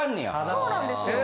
そうなんですよ。